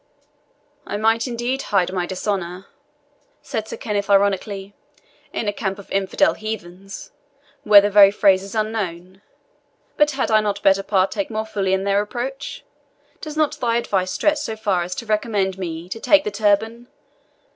"I might indeed hide my dishonour," said Sir Kenneth ironically, "in a camp of infidel heathens, where the very phrase is unknown. But had I not better partake more fully in their reproach? Does not thy advice stretch so far as to recommend me to take the turban?